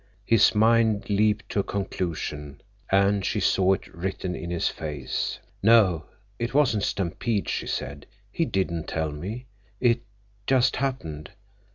His mind leaped to a conclusion, and she saw it written in his face. "No, it wasn't Stampede," she said. "He didn't tell me. It—just happened.